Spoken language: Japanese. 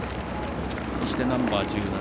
そして、ナンバー１７